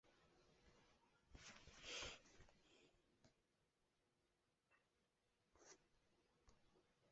根据中冈和坂本龙马的协议于是在海援队之后再度创立一个与之相互支援的组织。